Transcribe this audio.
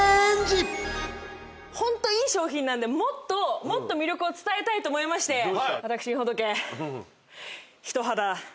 ホントいい商品なんでもっともっと魅力を伝えたいと思いまして私みほとけ。